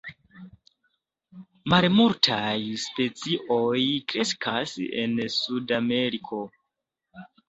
Malmultaj specioj kreskas en Sudameriko.